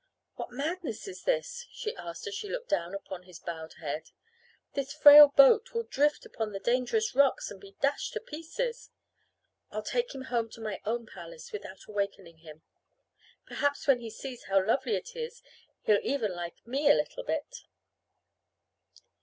"What madness is this?" she asked as she looked down upon his bowed head. "This frail boat will drift upon the dangerous rocks and be dashed to pieces. I'll take him home to my own palace without awakening him. Perhaps when he sees how lovely it is he'll even like me a little bit."